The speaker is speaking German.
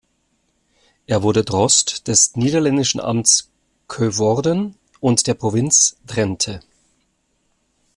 Er wurde Drost des niederländischen Amt Coevorden und der Provinz Drenthe.